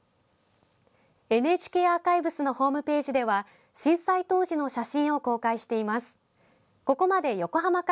ＮＨＫアーカイブスのホームページでは震災当時の写真を公開しています。